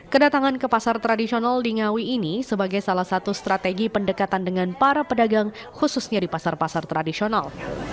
kedatangan ke pasar tradisional di ngawi ini sebagai salah satu strategi pendekatan dengan para pedagang khususnya di pasar pasar tradisional